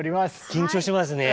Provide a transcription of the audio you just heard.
緊張しますね。